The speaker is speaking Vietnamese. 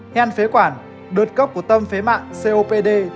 hen phế quản đợt cấp của tâm phế mạng copd